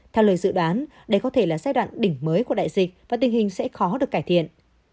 theo lời dự đoán đây có thể là giai đoạn đỉnh mới của đại dịch và tình hình sẽ khó được cải thiện